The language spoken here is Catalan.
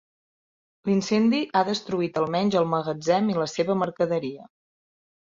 L'incendi ha destruït almenys el magatzem i la seva mercaderia.